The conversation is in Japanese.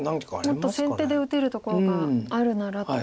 もっと先手で打てるところがあるならと。